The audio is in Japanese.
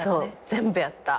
全部やった。